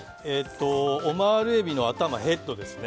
オマール海老の頭ヘッドですね